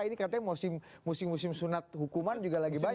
ini katanya musim musim sunat hukuman juga lagi banyak